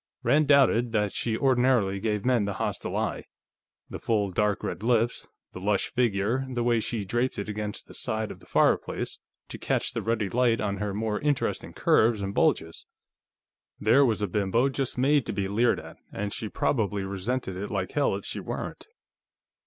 Rand doubted that she ordinarily gave men the hostile eye. The full, dark red lips; the lush figure; the way she draped it against the side of the fireplace, to catch the ruddy light on her more interesting curves and bulges there was a bimbo just made to be leered at, and she probably resented it like hell if she weren't.